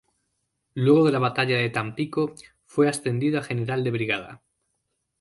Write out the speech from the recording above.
Luego de la batalla de Tampico fue ascendido a General de Brigada.